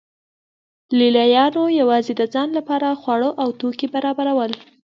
لې لیانو یوازې د ځان لپاره خواړه او توکي برابرول